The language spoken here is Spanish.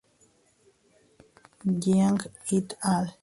Jiang "et al.